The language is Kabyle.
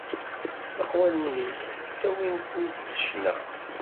Leqwanen-ik, ttawiɣ-ten-id d ccna.